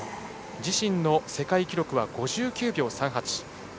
自身の世界記録は５９秒３８。